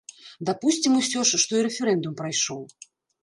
Дапусцім усё ж, што і рэферэндум прайшоў.